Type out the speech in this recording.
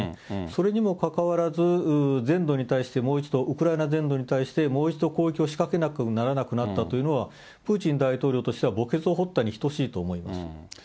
それにもかかわらず、全土に対してもう一度、ウクライナ全土に対して、もう一度攻撃を仕掛けなくてはならなくなったというのは、プーチン大統領としては墓穴を掘ったに等しいと思います。